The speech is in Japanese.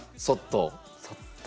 そっと。